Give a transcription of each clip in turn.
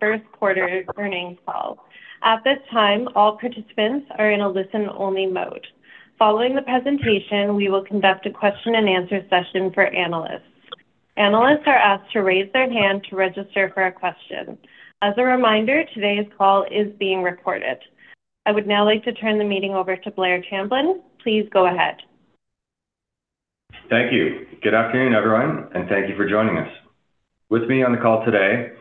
First quarter earnings call. At this time, all participants are in a listen-only mode. Following the presentation, we will conduct a question and answer session for analysts. Analysts are asked to raise their hand to register for a question. As a reminder, today's call is being recorded. I would now like to turn the meeting over to Blair Tamblyn. Please go ahead. Thank you. Good afternoon, everyone, and thank you for joining us. With me on the call today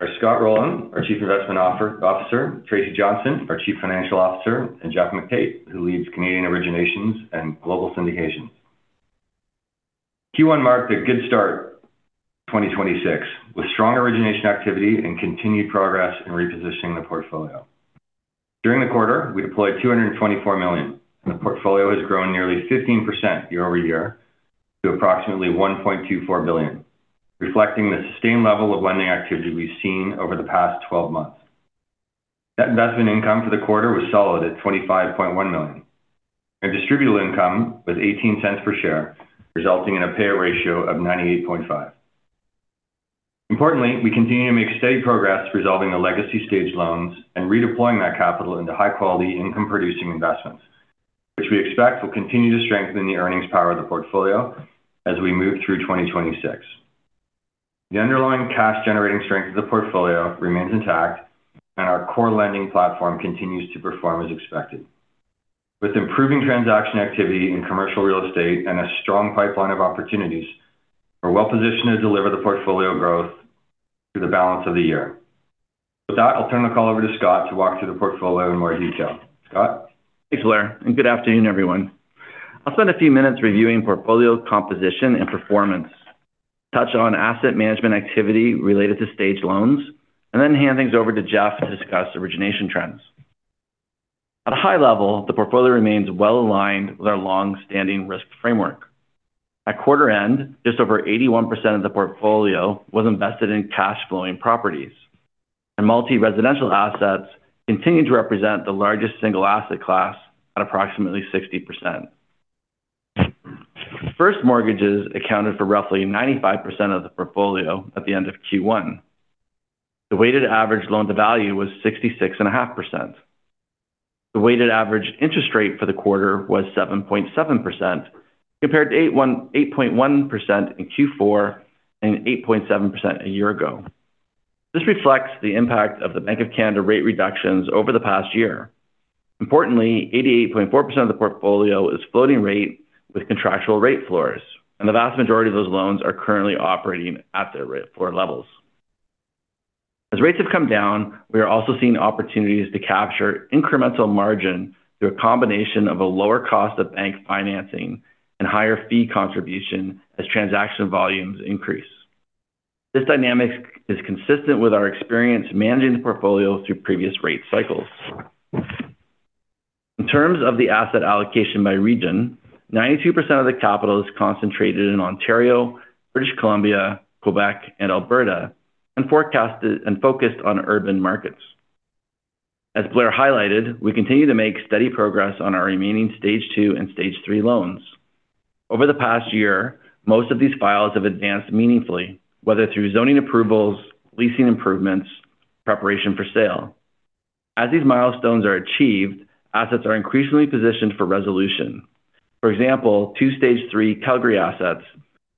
are Scott Rowland, our Chief Investment Officer, Tracy Johnston, our Chief Financial Officer, and Geoff McTait, who leads Canadian Originations and Global Syndications. Q1 marked a good start to 2026, with strong origination activity and continued progress in repositioning the portfolio. During the quarter, we deployed 224 million, and the portfolio has grown nearly 15% year-over-year to approximately 1.24 billion, reflecting the sustained level of lending activity we've seen over the past 12 months. Net investment income for the quarter was solid at 25.1 million, and distributable income was 0.18 per share, resulting in a payout ratio of 98.5%. Importantly, we continue to make steady progress resolving the legacy Stage loans and redeploying that capital into high-quality income-producing investments, which we expect will continue to strengthen the earnings power of the portfolio as we move through 2026. The underlying cash-generating strength of the portfolio remains intact, and our core lending platform continues to perform as expected. With improving transaction activity in commercial real estate and a strong pipeline of opportunities, we're well-positioned to deliver the portfolio growth through the balance of the year. With that, I'll turn the call over to Scott to walk through the portfolio in more detail. Scott? Thanks, Blair, and good afternoon, everyone. I'll spend a few minutes reviewing portfolio composition and performance, touch on asset management activity related to stage loans, and then hand things over to Geoff to discuss origination trends. At a high level, the portfolio remains well-aligned with our long-standing risk framework. At quarter end, just over 81% of the portfolio was invested in cash-flowing properties, and multi-residential assets continue to represent the largest single asset class at approximately 60%. First mortgages accounted for roughly 95% of the portfolio at the end of Q1. The weighted average loan-to-value was 66.5%. The weighted average interest rate for the quarter was 7.7% compared to 8.1% in Q4 and 8.7% a year ago. This reflects the impact of the Bank of Canada rate reductions over the past year. Importantly, 88.4% of the portfolio is floating rate with contractual rate floors, and the vast majority of those loans are currently operating at their rate floor levels. As rates have come down, we are also seeing opportunities to capture incremental margin through a combination of a lower cost of bank financing and higher fee contribution as transaction volumes increase. This dynamic is consistent with our experience managing the portfolio through previous rate cycles. In terms of the asset allocation by region, 92% of the capital is concentrated in Ontario, British Columbia, Quebec, and Alberta, and focused on urban markets. As Blair highlighted, we continue to make steady progress on our remaining Stage 2 and Stage 3 loans. Over the past year, most of these files have advanced meaningfully, whether through zoning approvals, leasing improvements, preparation for sale. As these milestones are achieved, assets are increasingly positioned for resolution. For example, two Stage 3 Calgary assets,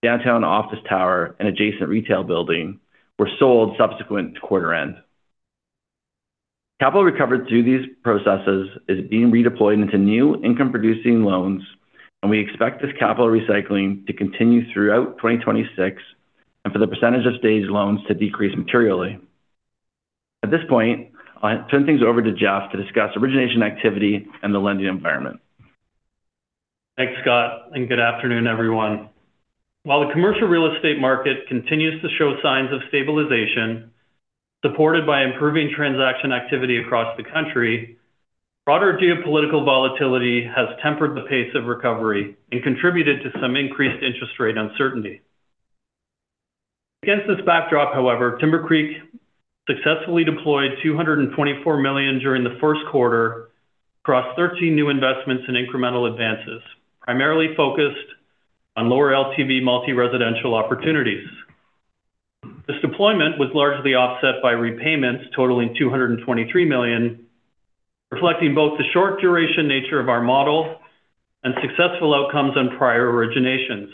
downtown office tower and adjacent retail building, were sold subsequent to quarter end. Capital recovered through these processes is being redeployed into new income-producing loans, and we expect this capital recycling to continue throughout 2026 and for the percentage of staged loans to decrease materially. At this point, I'll turn things over to Geoff to discuss origination activity and the lending environment. Thanks, Scott, and good afternoon, everyone. While the commercial real estate market continues to show signs of stabilization, supported by improving transaction activity across the country, broader geopolitical volatility has tempered the pace of recovery and contributed to some increased interest rate uncertainty. Against this backdrop, however, Timbercreek successfully deployed 224 million during the first quarter across 13 new investments in incremental advances, primarily focused on lower LTV multi-residential opportunities. This deployment was largely offset by repayments totaling 223 million, reflecting both the short-duration nature of our model and successful outcomes on prior originations.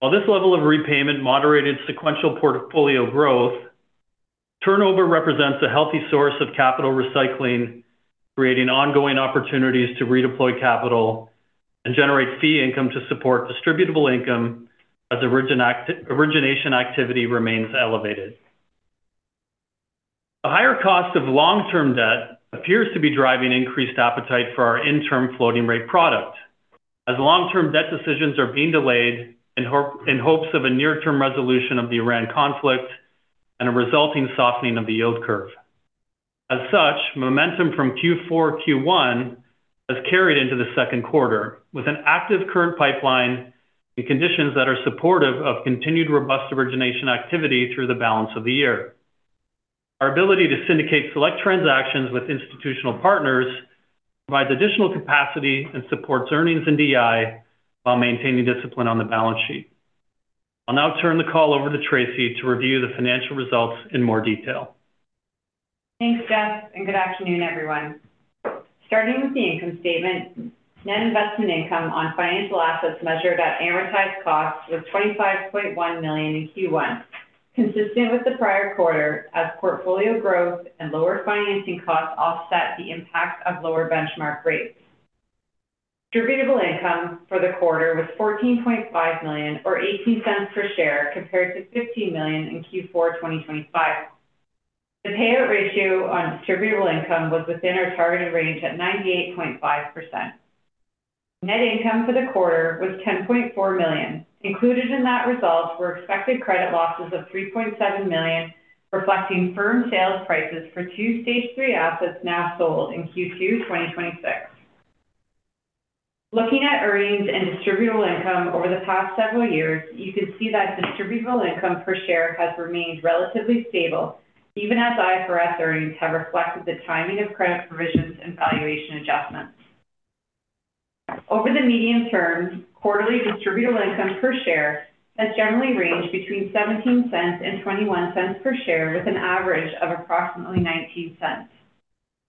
While this level of repayment moderated sequential portfolio growth, turnover represents a healthy source of capital recycling, creating ongoing opportunities to redeploy capital and generate fee income to support distributable income as origination activity remains elevated. The higher cost of long-term debt appears to be driving increased appetite for our interim floating rate product, as long-term debt decisions are being delayed in hopes of a near-term resolution of the Iran conflict and a resulting softening of the yield curve. As such, momentum from Q4, Q1 has carried into the second quarter, with an active current pipeline and conditions that are supportive of continued robust origination activity through the balance of the year. Our ability to syndicate select transactions with institutional partners provides additional capacity and supports earnings in DI while maintaining discipline on the balance sheet. I'll now turn the call over to Tracy to review the financial results in more detail. Thanks, Geoff, good afternoon, everyone. Starting with the income statement, net investment income on financial assets measured at amortized costs was 25.1 million in Q1. Consistent with the prior quarter as portfolio growth and lower financing costs offset the impact of lower benchmark rates. Distributable income for the quarter was 14.5 million or 0.18 per share compared to 15 million in Q4 2025. The payout ratio on distributable income was within our targeted range at 98.5%. Net income for the quarter was 10.4 million. Included in that result were expected credit losses of 3.7 million, reflecting firm sales prices for two Stage 3 assets now sold in Q2 2026. Looking at earnings and distributable income over the past several years, you can see that distributable income per share has remained relatively stable even as IFRS earnings have reflected the timing of credit provisions and valuation adjustments. Over the medium term, quarterly distributable income per share has generally ranged between 0.17 and 0.21 per share with an average of approximately 0.19.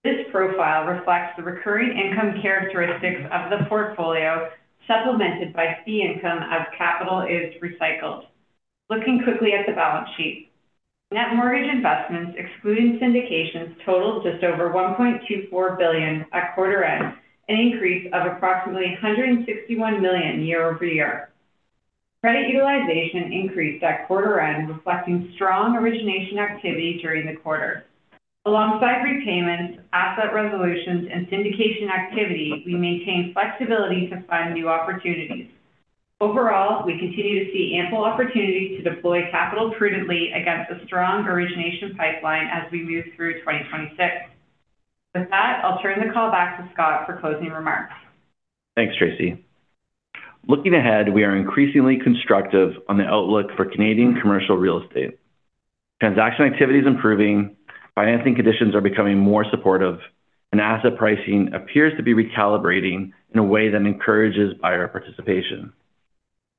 This profile reflects the recurring income characteristics of the portfolio supplemented by fee income as capital is recycled. Looking quickly at the balance sheet. Net mortgage investments excluding syndications totaled just over 1.24 billion at quarter end, an increase of approximately 161 million year-over-year. Credit utilization increased at quarter end, reflecting strong origination activity during the quarter. Alongside repayments, asset resolutions, and syndication activity, we maintain flexibility to fund new opportunities. Overall, we continue to see ample opportunity to deploy capital prudently against a strong origination pipeline as we move through 2026. With that, I'll turn the call back to Scott for closing remarks. Thanks, Tracy. Looking ahead, we are increasingly constructive on the outlook for Canadian commercial real estate. Transaction activity is improving, financing conditions are becoming more supportive, and asset pricing appears to be recalibrating in a way that encourages buyer participation.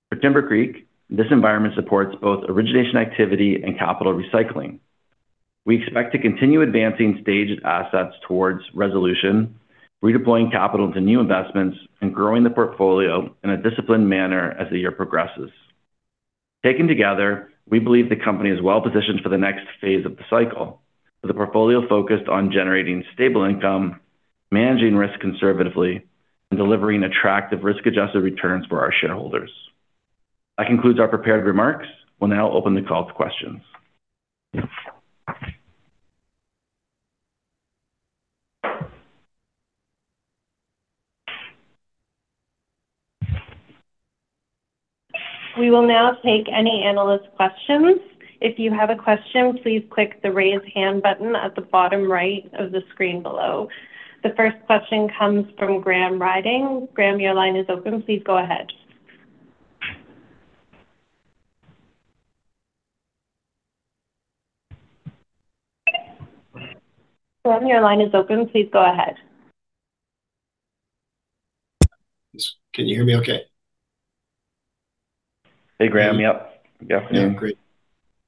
For Timbercreek, this environment supports both origination activity and capital recycling. We expect to continue advancing staged assets towards resolution, redeploying capital into new investments, and growing the portfolio in a disciplined manner as the year progresses. Taken together, we believe the company is well-positioned for the next phase of the cycle, with a portfolio focused on generating stable income, managing risk conservatively, and delivering attractive risk-adjusted returns for our shareholders. That concludes our prepared remarks. We will now open the call to questions. We will now take any analyst questions. The first question comes from Graham Ryding. Graham, your line is open. Please go ahead. Can you hear me okay? Hey, Graham. Yep. Yeah. Yeah. Great.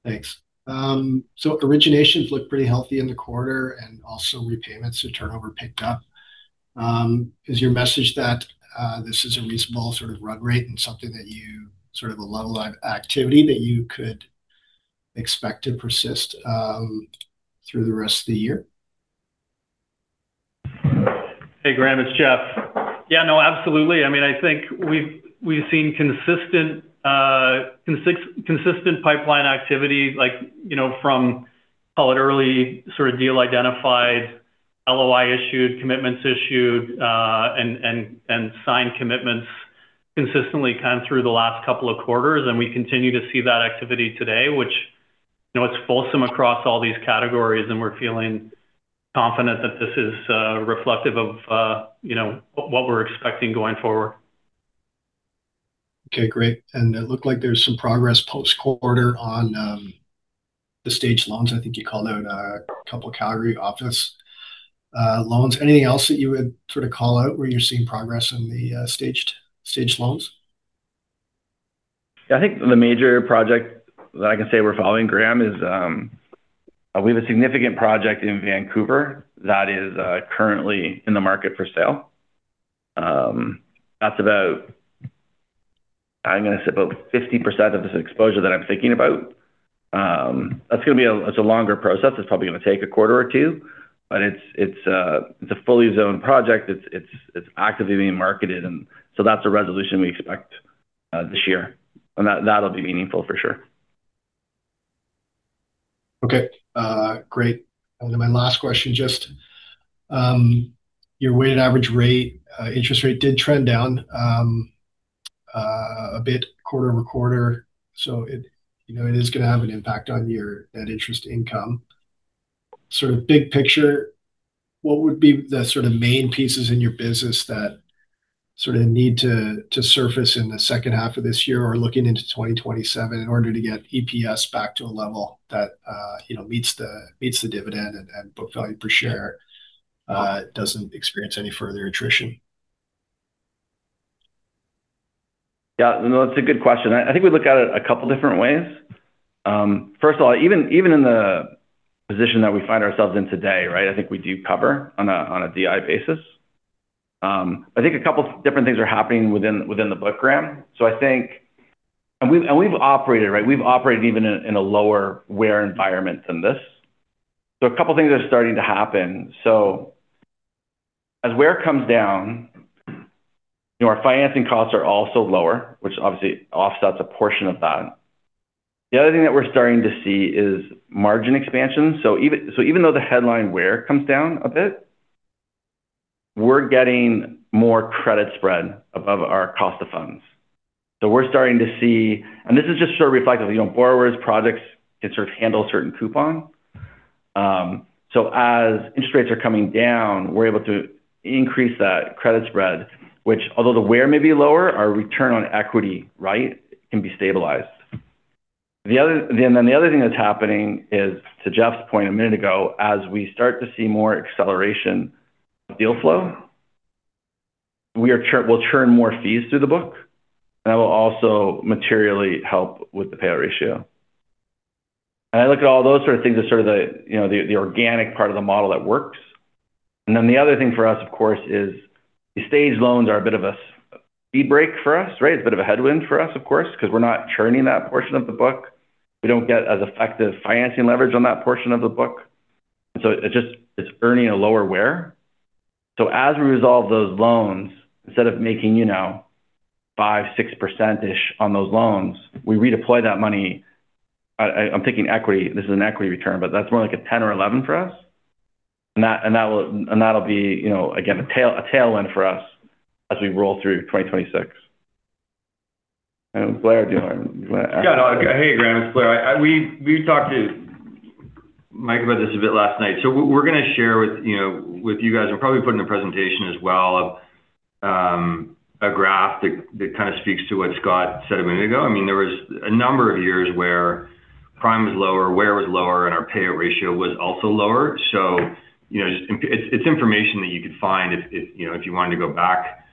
Thanks. Originations look pretty healthy in the quarter and also repayments so turnover picked up. Is your message that this is a reasonable sort of run rate and something that you sort of a level of activity that you could expect to persist through the rest of the year? Hey, Graham, it's Geoff. Yeah, no, absolutely. I mean, I think we've seen consistent pipeline activity like, you know, from call it early sort of deal identified, LOI issued, commitments issued, and signed commitments consistently kind of through the last couple of quarters. We continue to see that activity today, which, you know, it's fulsome across all these categories and we're feeling confident that this is reflective of, you know, what we're expecting going forward. Okay. Great. It looked like there's some progress post-quarter on the Stage loans. I think you called out couple Calgary office loans. Anything else that you would sort of call out where you're seeing progress in the Stage loans? Yeah. I think the major project that I can say we're following, Graham, is, we have a significant project in Vancouver that is currently in the market for sale. I'm gonna say about 50% of this exposure that I'm thinking about. It's a longer process. It's probably gonna take a quarter or two. It's a fully zoned project. It's actively being marketed and so that's a resolution we expect this year. That'll be meaningful for sure. Okay. Great. My last question, just, your weighted average rate, interest rate did trend down a bit quarter-over-quarter. It, you know, it is gonna have an impact on your net interest income. Sort of big picture, what would be the sort of main pieces in your business that need to surface in the second half of this year or looking into 2027 in order to get EPS back to a level that, you know, meets the dividend and book value per share, doesn't experience any further attrition? Yeah. No, it's a good question. I think we look at it two different ways. First of all, even in the position that we find ourselves in today, right, I think we do cover on a DI basis. I think two different things are happening within the book Graham. We've operated, right? We've operated even in a lower WAIR environment than this. Two Things are starting to happen. As WAIR comes down, you know, our financing costs are also lower, which obviously offsets a portion of that. The other thing that we're starting to see is margin expansion. Even though the headline WAIR comes down a bit, we're getting more credit spread above our cost of funds. We're starting to see. This is just sort of reflective, you know, borrowers, projects can sort of handle certain coupon. As interest rates are coming down, we're able to increase that credit spread, which although the WAIR may be lower, our return on equity, right, can be stabilized. Then the other thing that's happening is, to Geoff's point a minute ago, as we start to see more acceleration of deal flow, we'll churn more fees through the book, and that will also materially help with the payout ratio. I look at all those sort of things as sort of the, you know, the organic part of the model that works. Then the other thing for us, of course, is the Stage loans are a bit of a speed break for us, right? It's a bit of a headwind for us, of course, because we're not churning that portion of the book. We don't get as effective financing leverage on that portion of the book. It's earning a lower WAIR. As we resolve those loans, instead of making, you know, 5%, 6%-ish on those loans, we redeploy that money. I'm thinking equity. This is an equity return, but that's more like a 10 or 11 for us. That'll be, you know, again, a tailwind for us as we roll through 2026. Blair, do you want to add? Yeah. No. Hey, Graham. It's Blair. We talked to Mike about this a bit last night. We're gonna share with, you know, with you guys and probably put in a presentation as well, a graph that kind of speaks to what Scott said a minute ago. I mean, there was a number of years where prime was lower, WAIR was lower, and our payout ratio was also lower. You know, it's information that you could find if, you know, if you wanted to go back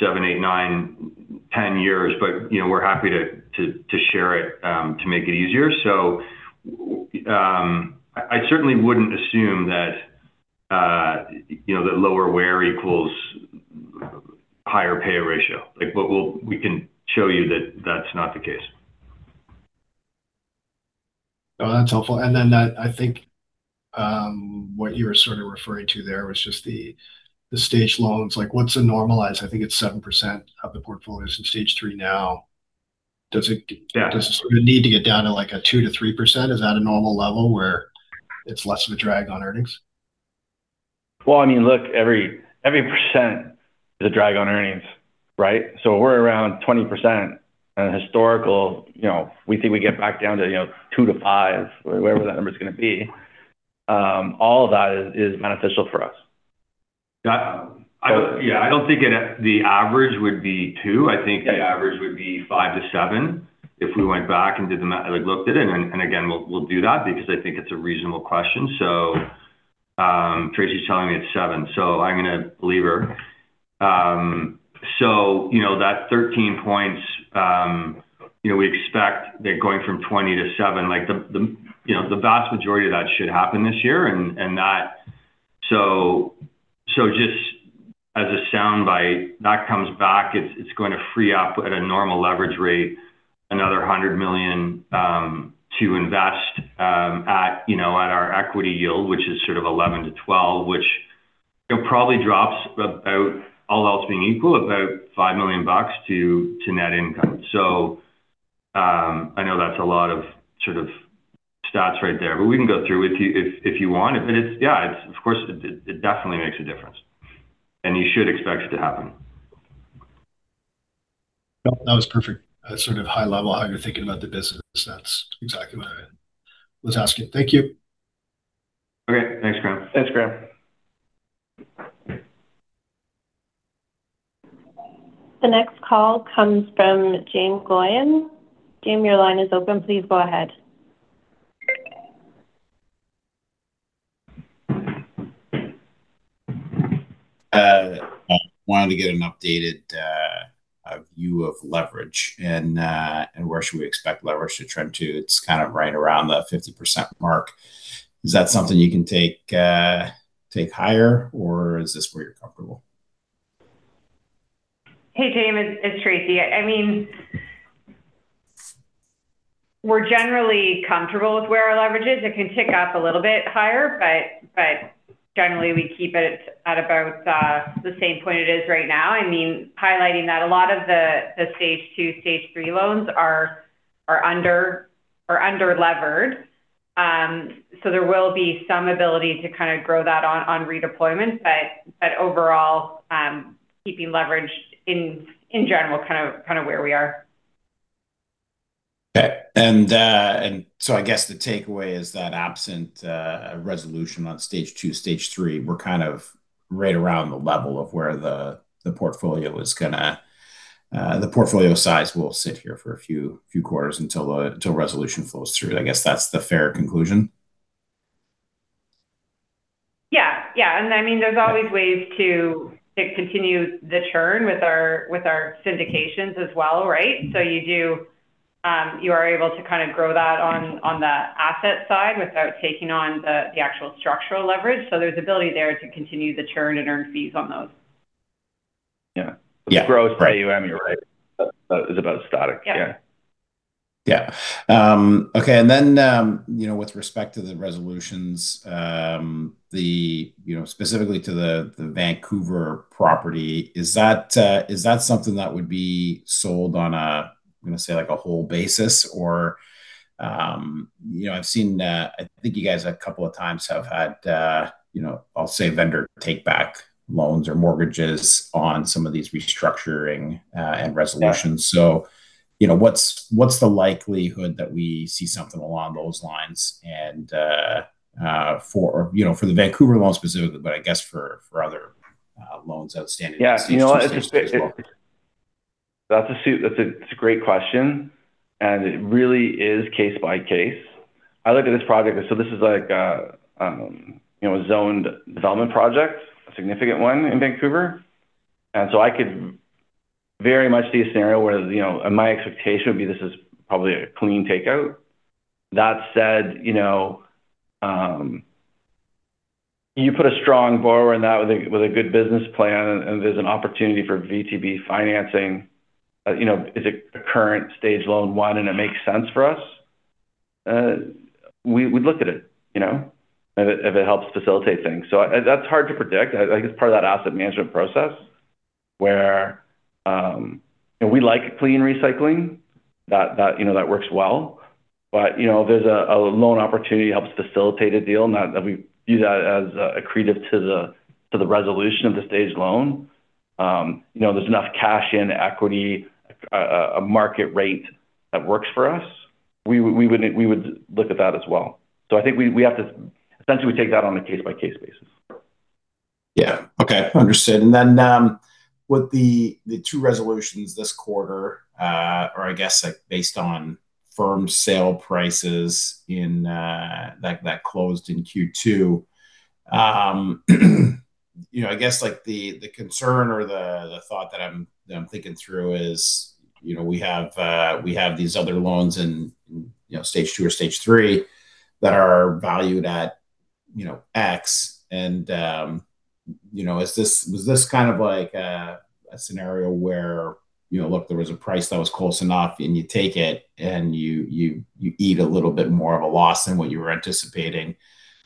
seven, eight, nine, 10 years. You know, we're happy to share it to make it easier. I certainly wouldn't assume that, you know, that lower WAIR equals higher payout ratio. Like, we can show you that that's not the case. No, that's helpful. That I think, what you were sort of referring to there was just the stage loans. Like, what's a normalized--? I think it's 7% of the portfolios in Stage 3 now. Yeah. Does it need to get down to, like, a 2%-3%? Is that a normal level where it's less of a drag on earnings? Well, I mean, look, every percent is a drag on earnings, right? We're around 20% on a historical. You know, we think we get back down to, you know, two to five or wherever that number's gonna be. All of that is beneficial for us. Yeah, I don't think the average would be two. I think the average would be five-seven if we went back and looked at it. Again, we'll do that because I think it's a reasonable question. Tracy's telling me it's seven, I'm gonna believe her. That 13 points, we expect that going from 20 to seven, the vast majority of that should happen this year. Just as a soundbite, that comes back, it's going to free up at a normal leverage rate another 100 million to invest at our equity yield, which is sort of 11%-12%, which it probably drops about, all else being equal, about 5 million bucks to net income. I know that's a lot of sort of stats right there, but we can go through with you if you want. It definitely makes a difference, and you should expect it to happen. No, that was perfect. sort of high level how you're thinking about the business. That's exactly what I was asking. Thank you. Okay. Thanks, Graham. Thanks, Graham. The next call comes from Jaeme Gloyn. Jaeme, your line is open. Please go ahead. I wanted to get an updated view of leverage, and where should we expect leverage to trend to? It's kind of right around the 50% mark. Is that something you can take higher, or is this where you're comfortable? Hey, Jaeme Gloyn. It's Tracy Johnston. I mean, we're generally comfortable with where our leverage is. It can tick up a little bit higher, but generally, we keep it at about the same point it is right now. I mean highlighting that a lot of the Stage 2, Stage 3 loans are under-levered. There will be some ability to kind of grow that on redeployment. Overall, keeping leverage in general kind of where we are. I guess the takeaway is that absent a resolution on Stage 2, Stage 3, we're kind of right around the level of where the portfolio is gonna, the portfolio size will sit here for a few quarters until resolution flows through. I guess that's the fair conclusion. Yeah. Yeah. I mean, there's always ways to continue the churn with our, with our syndications as well, right? You are able to kind of grow that on the asset side without taking on the actual structural leverage. There's ability there to continue the churn and earn fees on those. Yeah. Yeah. The growth AUM, you're right, is about static. Yeah. Yeah. Yeah. Okay. You know, with respect to the resolutions, you know, specifically to the Vancouver property, is that something that would be sold on a, I'm gonna say, like, a whole basis? You know, I've seen, I think you guys a couple of times have had, you know, I'll say vendor take back loans or mortgages on some of these restructuring and resolutions. You know, what's the likelihood that we see something along those lines for, you know, for the Vancouver loan specifically, but I guess for other loans outstanding. Yeah. You know what? as well. That's a great question, and it really is case by case. I look at this project, so this is like, you know, a zoned development project, a significant one in Vancouver. I could very much see a scenario where, you know, my expectation would be this is probably a clean takeout. That said, you know, you put a strong borrower in that with a good business plan, and there's an opportunity for VTB financing. You know, is it a current Stage loan 1, and it makes sense for us? We look at it, you know, if it helps facilitate things. That's hard to predict. I think it's part of that asset management process where, we like clean recycling that, you know, that works well. You know, if there's a loan opportunity helps facilitate a deal, not that we view that as accretive to the resolution of the stage loan. You know, there's enough cash in equity, a market rate that works for us. We would look at that as well. I think we essentially take that on a case-by-case basis. Yeah. Okay. Understood. With the two resolutions this quarter, or I guess, like, based on firm sale prices that closed in Q2, I guess, like, the concern or the thought that I'm thinking through is, we have these other loans in Stage 2 or Stage 3 that are valued at X. Was this kind of like a scenario where, look, there was a price that was close enough and you take it and you eat a little bit more of a loss than what you were anticipating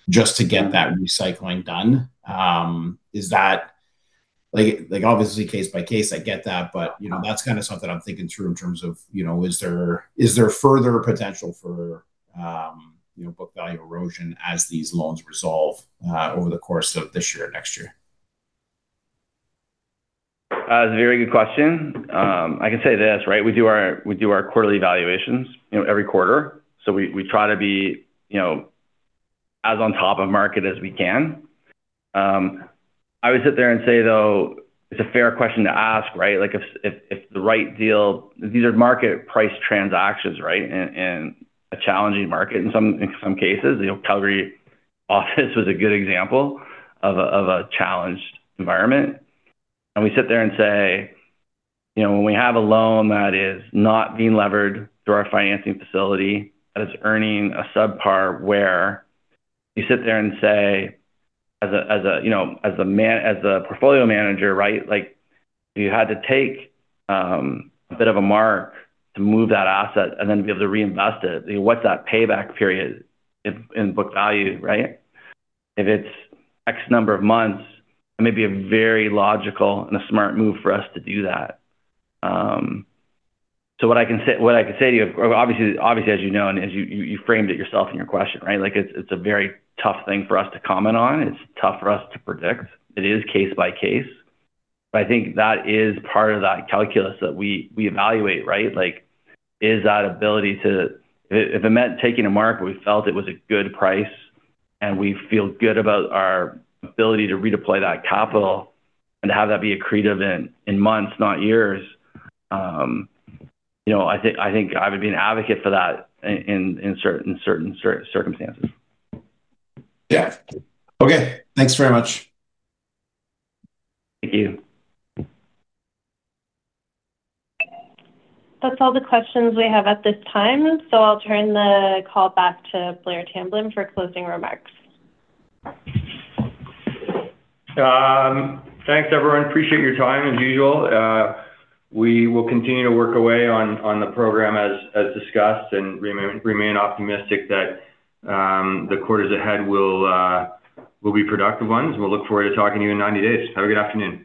just to get that recycling done. Like obviously case by case, I get that. You know, that's kind of something I'm thinking through in terms of, you know, is there further potential for, you know, book value erosion as these loans resolve over the course of this year, next year? It's a very good question. I can say this, right? We do our quarterly evaluations, you know, every quarter. We, we try to be, you know, as on top of market as we can. I would sit there and say, though, it's a fair question to ask, right? Like, if the right deal, these are market price transactions, right? In a challenging market in some cases. You know, Calgary office was a good example of a challenged environment. We sit there and say, you know, when we have a loan that is not being levered through our financing facility, that is earning a subpar where you sit there and say as a portfolio manager, right? Like, you had to take a bit of a mark to move that asset and then be able to reinvest it. What's that payback period in book value, right? If it's X number of months, it may be a very logical and a smart move for us to do that. What I can say to you, obviously, as you know, and as you framed it yourself in your question, right? Like, it's a very tough thing for us to comment on. It's tough for us to predict. It is case by case. I think that is part of that calculus that we evaluate, right? Like, is that ability If it meant taking a mark, we felt it was a good price and we feel good about our ability to redeploy that capital and have that be accretive in months, not years. You know, I think I would be an advocate for that in certain circumstances. Yeah. Okay. Thanks very much. Thank you. That's all the questions we have at this time. I'll turn the call back to Blair Tamblyn for closing remarks. Thanks, everyone. Appreciate your time as usual. We will continue to work away on the program as discussed and remain optimistic that the quarters ahead will be productive ones. We'll look forward to talking to you in 90 days. Have a good afternoon.